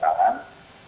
kita lakukan perusahaan